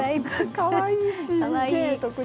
かわいい。